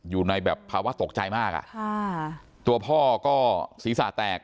อยู่ในแบบภาวะตกใจมากอ่ะค่ะตัวพ่อก็ศีรษะแตก